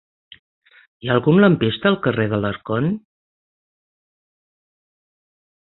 Hi ha algun lampista al carrer d'Alarcón?